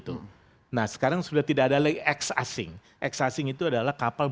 masuk tangkap dan seperti itu nah sekarang sudah tidak ada lagi x asing x asing itu adalah kapal